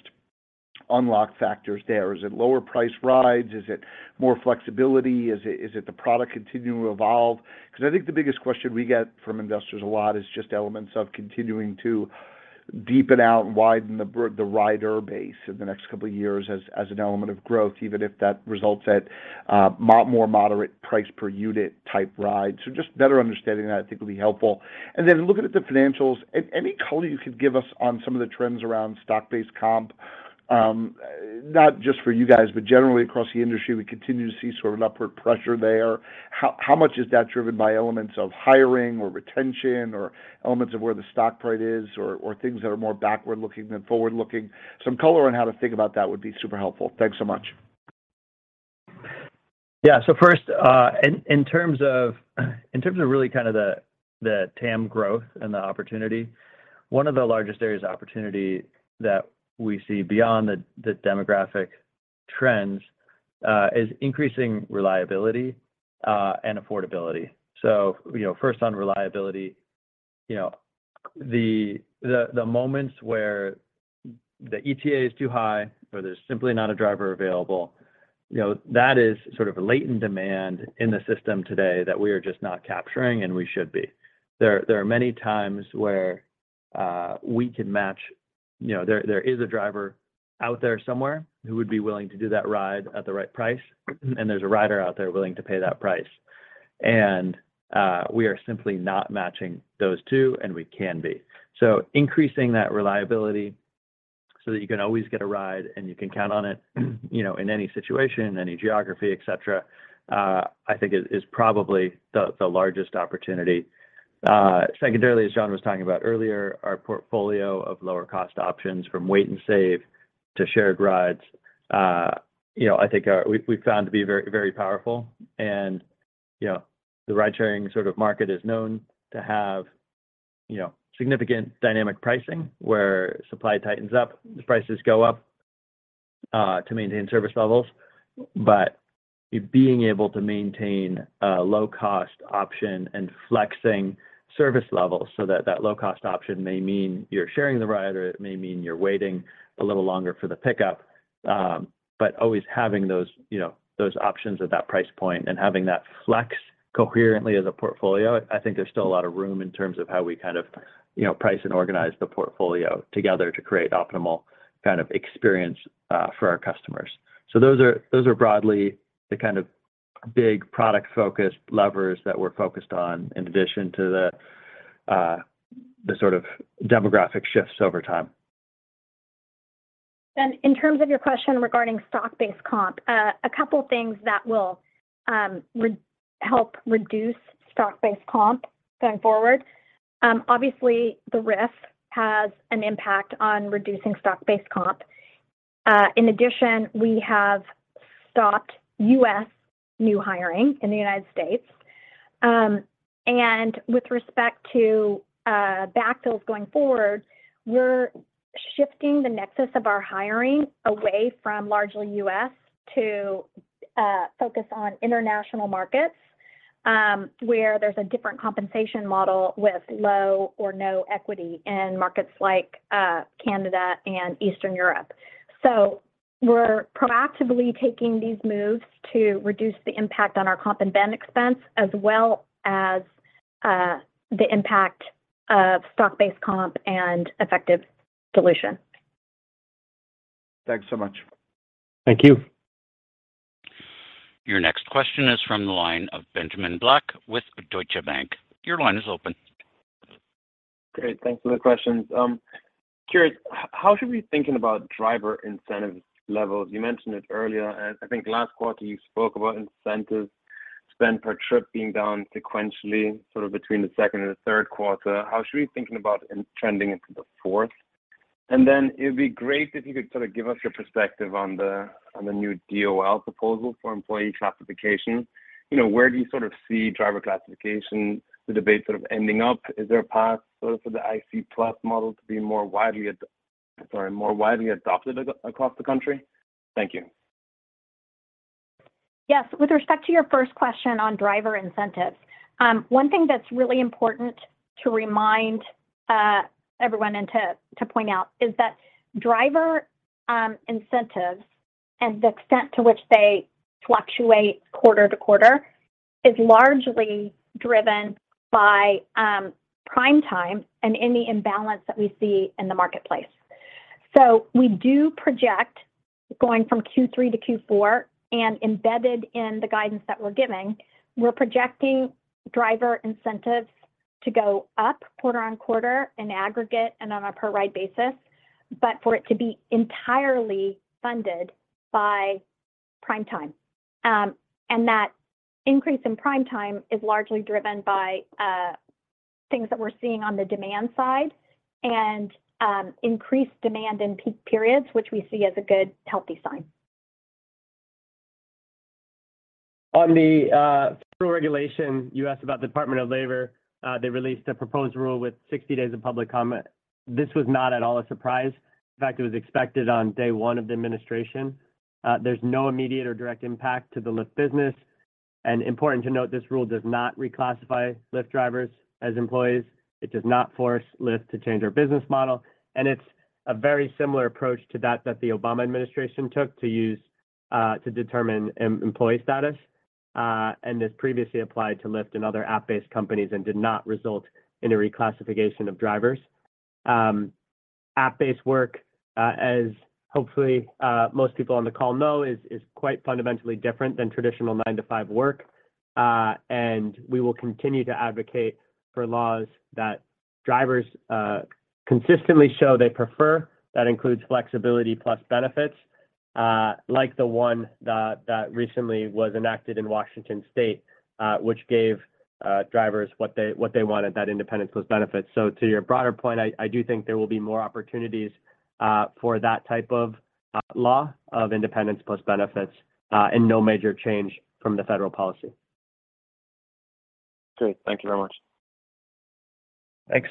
unlock factors there. Is it lower priced rides? Is it more flexibility? Is it the product continuing to evolve? I think the biggest question we get from investors a lot is just elements of continuing to deepen out and widen the rider base in the next couple of years as an element of growth, even if that results at more moderate price per unit type ride. Just better understanding of that, I think, would be helpful. Looking at the financials, any color you could give us on some of the trends around stock-based comp, not just for you guys, but generally across the industry, we continue to see sort of upward pressure there. How much is that driven by elements of hiring or retention or elements of where the stock price is or things that are more backward-looking than forward-looking? Some color on how to think about that would be super helpful. Thanks so much. Yeah. First, in terms of really the TAM growth and the opportunity, one of the largest areas of opportunity that we see beyond the demographic trends, is increasing reliability and affordability. First on reliability. The moments where the ETA is too high or there's simply not a driver available, that is sort of latent demand in the system today that we are just not capturing, and we should be. There are many times where we can match, there is a driver out there somewhere who would be willing to do that ride at the right price, and there's a rider out there willing to pay that price. We are simply not matching those two, and we can be. Increasing that reliability so that you can always get a ride and you can count on it, in any situation, any geography, et cetera, I think, is probably the largest opportunity. Secondarily, as John was talking about earlier, our portfolio of lower-cost options from Wait & Save to shared rides, I think we've found to be very powerful and the ride-sharing market is known to have significant dynamic pricing, where supply tightens up, the prices go up to maintain service levels. Being able to maintain a low-cost option and flexing service levels so that low-cost option may mean you're sharing the ride, or it may mean you're waiting a little longer for the pickup. Always having those options at that price point and having that flex coherently as a portfolio, I think there's still a lot of room in terms of how we price and organize the portfolio together to create optimal experience for our customers. Those are broadly the big product-focused levers that we're focused on, in addition to the demographic shifts over time. In terms of your question regarding stock-based comp, a couple things that will help reduce stock-based comp going forward. Obviously, the RIF has an impact on reducing stock-based comp. In addition, we have stopped new hiring in the United States. With respect to backfills going forward, we're shifting the nexus of our hiring away from largely U.S. to focus on international markets, where there's a different compensation model with low or no equity in markets like Canada and Eastern Europe. We're proactively taking these moves to reduce the impact on our comp and bend expense, as well as the impact of stock-based comp and effective dilution. Thanks so much. Thank you. Your next question is from the line of Benjamin Black with Deutsche Bank. Your line is open. Great. Thanks for the questions. Curious, how should we be thinking about driver incentive levels? You mentioned it earlier, and I think last quarter you spoke about incentive spend per trip being down sequentially between the second and the third quarter. How should we be thinking about it trending into the fourth? Then it'd be great if you could sort of give us your perspective on the new DOL proposal for employee classification. Where do you sort of see driver classification, the debate sort of ending up? Is there a path sort of for the IC Plus model to be more widely adopted across the country? Thank you. Yes. With respect to your first question on driver incentives, one thing that's really important to remind everyone and to point out is that driver incentives and the extent to which they fluctuate quarter-to-quarter is largely driven by Prime Time and any imbalance that we see in the marketplace. We do project going from Q3 to Q4, and embedded in the guidance that we're giving, we're projecting driver incentives to go up quarter-on-quarter in aggregate and on a per ride basis, but for it to be entirely funded by Prime Time. That increase in Prime Time is largely driven by things that we're seeing on the demand side and increased demand in peak periods, which we see as a good, healthy sign. On the federal regulation, you asked about the Department of Labor. They released a proposed rule with 60 days of public comment. This was not at all a surprise. In fact, it was expected on day one of the administration. There's no immediate or direct impact to the Lyft business. Important to note, this rule does not reclassify Lyft drivers as employees. It does not force Lyft to change our business model. It's a very similar approach to that that the Obama administration took to determine employee status, and this previously applied to Lyft and other app-based companies and did not result in a reclassification of drivers. App-based work, as hopefully most people on the call know, is quite fundamentally different than traditional 9 to 5 work. We will continue to advocate for laws that drivers consistently show they prefer. That includes flexibility plus benefits, like the one that recently was enacted in Washington State, which gave drivers what they wanted, that independence plus benefits. To your broader point, I do think there will be more opportunities for that type of law of independence plus benefits, and no major change from the federal policy. Great. Thank you very much. Thanks.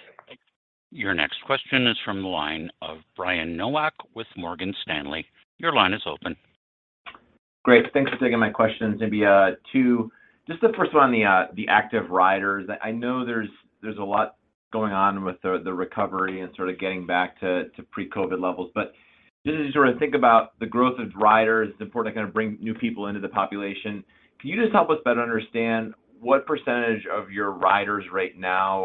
Your next question is from the line of Brian Nowak with Morgan Stanley. Your line is open. Great. Thanks for taking my questions. Maybe two. The first one on the active riders. I know there's a lot going on with the recovery and sort of getting back to pre-COVID levels. As you sort of think about the growth of riders, it's important to kind of bring new people into the population. Can you help us better understand what % of your riders right now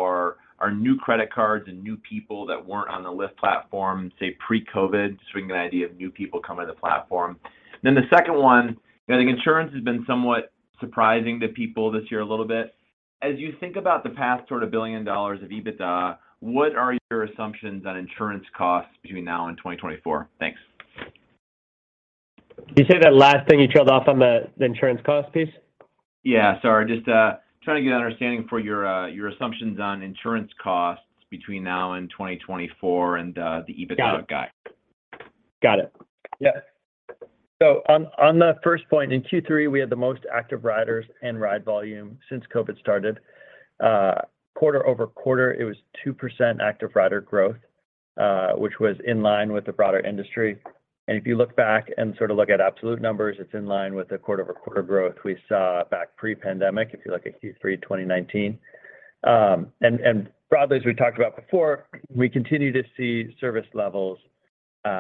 are new credit cards and new people that weren't on the Lyft platform, say, pre-COVID? So we can get an idea of new people coming to the platform. The second one, I think insurance has been somewhat surprising to people this year a little bit. As you think about the path toward $1 billion of EBITDA, what are your assumptions on insurance costs between now and 2024? Thanks. Can you say that last thing you trailed off on the insurance cost piece? Yeah. Sorry. Trying to get an understanding for your assumptions on insurance costs between now and 2024 and the EBITDA guide. Got it. On the first point, in Q3, we had the most active riders and ride volume since COVID started. Quarter-over-quarter, it was 2% active rider growth, which was in line with the broader industry. If you look back and sort of look at absolute numbers, it's in line with the quarter-over-quarter growth we saw back pre-pandemic, if you look at Q3 2019. Broadly, as we talked about before, we continue to see service levels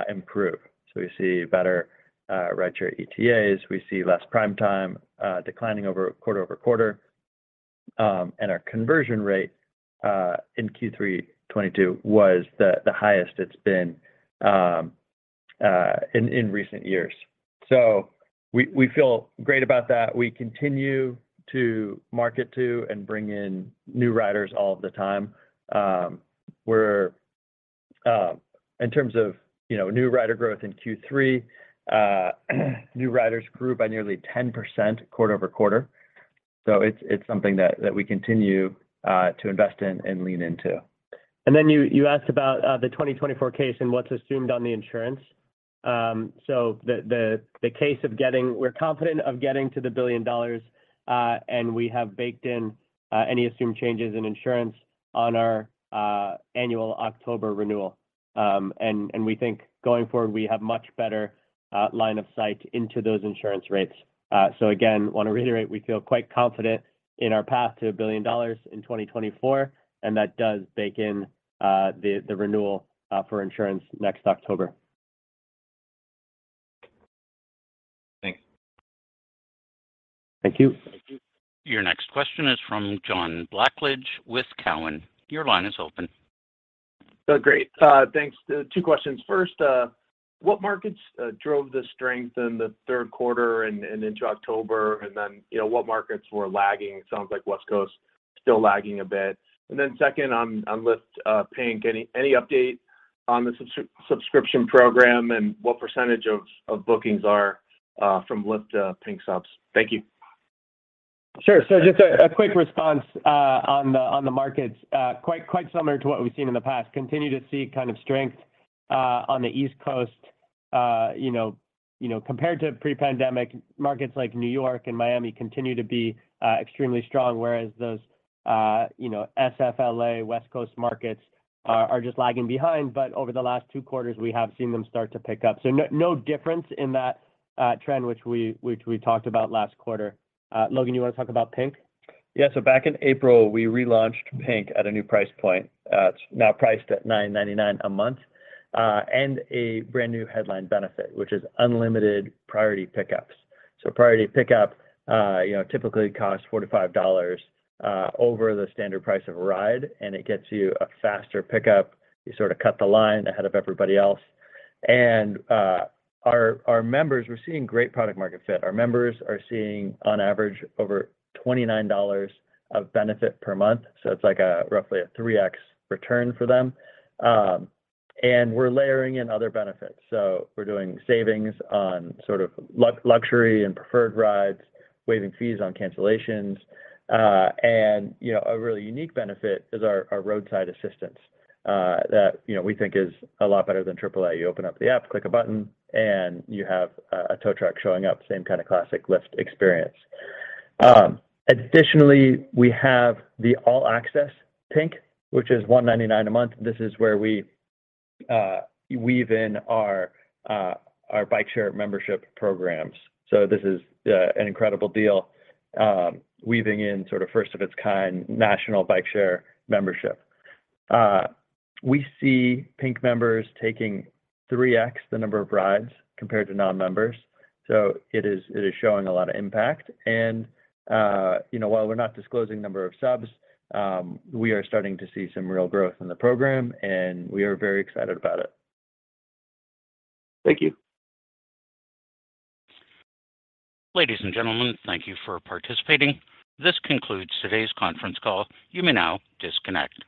improve. We see better ride share ETAs. We see less Prime Time declining quarter-over-quarter. Our conversion rate, in Q3 2022 was the highest it's been in recent years. We feel great about that. We continue to market to and bring in new riders all of the time. In terms of new rider growth in Q3, new riders grew by nearly 10% quarter-over-quarter. It's something that we continue to invest in and lean into. Then you asked about the 2024 case and what's assumed on the insurance. We're confident of getting to the $1 billion, we have baked in any assumed changes in insurance on our annual October renewal. We think going forward, we have much better line of sight into those insurance rates. Again, want to reiterate, we feel quite confident in our path to $1 billion in 2024, and that does bake in the renewal for insurance next October. Thanks. Thank you. Thank you. Your next question is from John Blackledge with Cowen. Your line is open. Great, thanks. Two questions. First, what markets drove the strength in the third quarter and into October? What markets were lagging? It sounds like West Coast still lagging a bit. Second, on Lyft Pink, any update on the subscription program and what % of bookings are from Lyft Pink subs? Thank you. Sure. Just a quick response on the markets. Quite similar to what we've seen in the past. Continue to see kind of strength on the East Coast. Compared to pre-pandemic, markets like New York and Miami continue to be extremely strong, whereas those S.F., L.A., West Coast markets are just lagging behind, over the last two quarters, we have seen them start to pick up. No difference in that trend which we talked about last quarter. Logan, you want to talk about Pink? Back in April, we relaunched Pink at a new price point. It's now priced at $9.99 a month, and a brand new headline benefit, which is unlimited Priority Pickups. Priority Pickup typically costs $45 over the standard price of a ride, and it gets you a faster pickup. You sort of cut the line ahead of everybody else. Our members, we're seeing great product market fit. Our members are seeing, on average, over $29 of benefit per month. It's like roughly a 3x return for them. We're layering in other benefits. We're doing savings on sort of luxury and preferred rides, waiving fees on cancellations. A really unique benefit is our roadside assistance, that we think is a lot better than AAA. You open up the app, click a button, and you have a tow truck showing up, same kind of classic Lyft experience. Additionally, we have the All Access Pink, which is $199 a month. This is where we weave in our bike share membership programs. This is an incredible deal, weaving in sort of first of its kind national bike share membership. We see Pink members taking 3x the number of rides compared to non-members, it is showing a lot of impact. While we're not disclosing number of subs, we are starting to see some real growth in the program, we are very excited about it. Thank you. Ladies and gentlemen, thank you for participating. This concludes today's conference call. You may now disconnect.